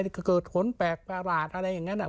แล้วก็เกิดผลแปลกปราราจอะไรอย่างนั้น